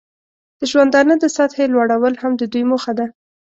د ژوندانه د سطحې لوړول هم د دوی موخه ده.